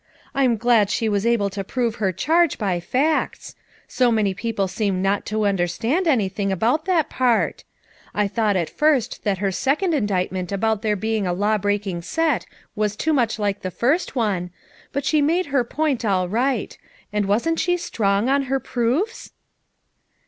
I'm glad she was able to prove her charge by facts; so many people seem not to understand anything about that part. I thought at first that her second indictment about their being a law breaking set was too much like the first one, but she made 192 FOUR MOTHERS AT CHAUTAUQUA her point all right; and wasn't she strong on her proofs?"